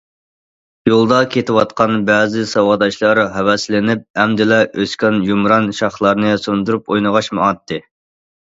يولدا كېتىۋاتقان بەزى ساۋاقداشلار ھەۋەسلىنىپ ئەمدىلا ئۆسكەن يۇمران شاخلارنى سۇندۇرۇپ ئوينىغاچ ماڭاتتى.